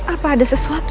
apa ada sesuatu